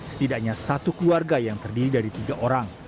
setidaknya satu keluarga yang terdiri dari tiga orang